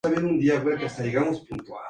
El programa fue emitido en horario prime.